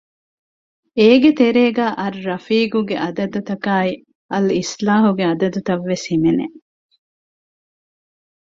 އޭގެ ތެރޭގައި އައްރަފީޤު ގެ އަދަދުތަކާއި އަލްއިޞްލާހު ގެ އަދަދުތައް ވެސް ހިމެނެ